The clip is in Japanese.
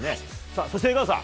そして、江川さん